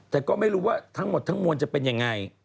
แต่ก็ไม่รู้ว่าทั้งหมดทั้งมวลจะเป็นยังไง